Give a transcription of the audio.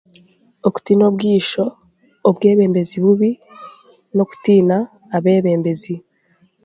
Okutiina obweisho, obwebembezi buubi, n'okutiina abebembezi.